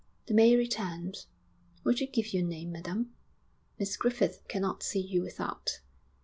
The maid returned. 'Would you give your name, madam? Miss Griffith cannot see you without.'